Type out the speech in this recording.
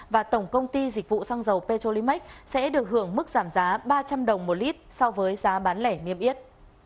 và tổng công ty dịch vụ xăng dầu petrolimax sẽ được hưởng mức giảm giá ba trăm linh đồng một lít so với giá bán lẻ niêm yết